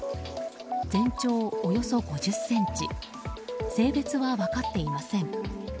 全長およそ５０ｃｍ性別は分かっていません。